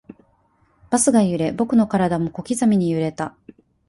バスが揺れ、僕の体も小刻みに揺れた